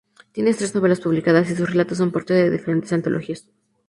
Tiene tres novelas publicadas, y sus relatos son parte de diferentes antologías.